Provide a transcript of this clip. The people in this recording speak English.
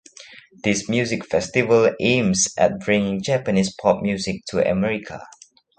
This music festival aims at bringing Japanese pop music to America.